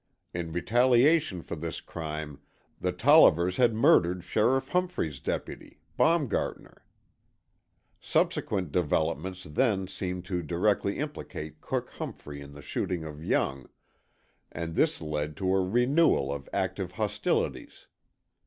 In retaliation for this crime the Tollivers had murdered Sheriff Humphrey's deputy, Baumgartner. Subsequent developments then seemed to directly implicate Cook Humphrey in the shooting of Young, and this led to a renewal of active hostilities.